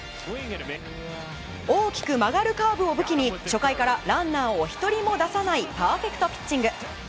大きく曲がるカーブを武器に初回からランナーを１人も出さないパーフェクトピッチング。